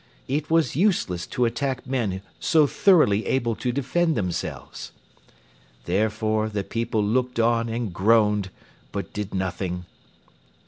It was useless to attack men so thoroughly able to defend themselves. Therefore the people looked on and groaned, but did nothing.